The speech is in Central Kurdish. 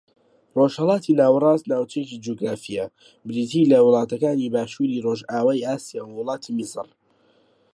ڕۆژھەڵاتی ناوەڕاست ناوچەیەکی جوگرافییە بریتی لە وڵاتەکانی باشووری ڕۆژاوای ئاسیا و وڵاتی میسر